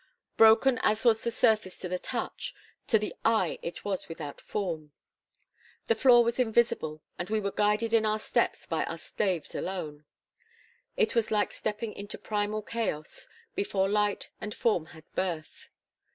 Broken as was the surface to the touch, to the eye it was without form. The floor was invisible, and we were guided in our steps by our staves alone. It was like stepping into primal chaos, before light and form had birth.